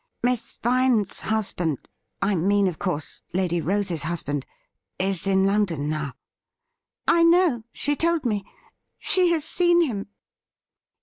' Miss Vine's husband — I mean, of course, Lady Rose's husband — ^is in London now.' ' I know ; she told me. She has seen him.'